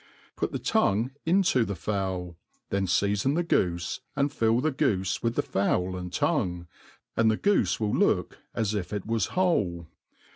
Put the tongue into the fowl ; then feafon the goofe, and fill the goofe with the fowl and tongue, and the goofcwill look as if it was whole.